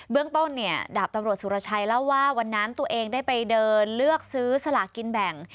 เรื่องต้นเนี่ยดาบตำรวจสุรชัยเล่าว่าวันนั้นตัวเองได้ไปเดินเลือกซื้อสลากินแบ่ง